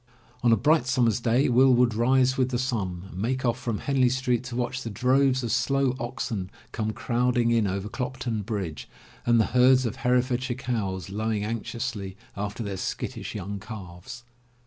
On a bright summer's day Will would rise with the sun and make off from Henley Street to watch the droves of slow oxen come crowding in over Clopton Bridge, and the herds of Herefordshire cows, lowing anxiously after their skittish young calves.